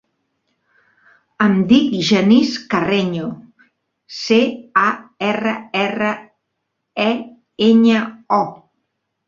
Em dic Genís Carreño: ce, a, erra, erra, e, enya, o.